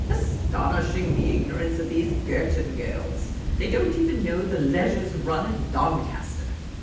Astonishing, the ignorance of these Girton girls ! They don't even know the Leger 's run at Doncaster.